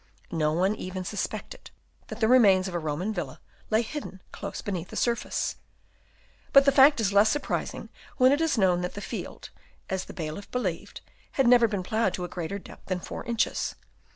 No one even suspected that the remains of a Roman villa lay hidden close beneath the surface. But the fact is less surprising when it is known that the field, as the bailiff believed, had never been ploughed to a greater depth than 4 inches.